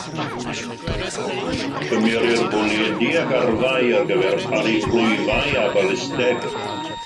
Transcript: Cymerir bwledi ac arfau ar gyfer paru clwyfau a balisteg.